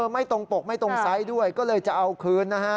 ไม่ตรงปกไม่ตรงไซส์ด้วยก็เลยจะเอาคืนนะฮะ